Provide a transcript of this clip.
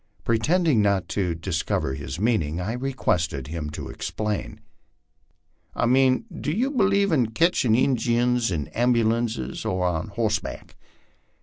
" Pretending not to dis cover his meaning, I requested him to explain. " I mean do you b'leve in catchin' Injuns in ambulances or on hossback?"